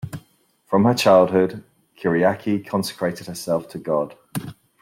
From her childhood, Kyriaki consecrated herself to God.